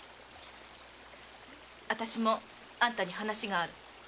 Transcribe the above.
あたしもあんたに話がある。